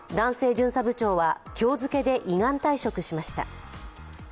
巡査部長は今日付けで依願退職しました。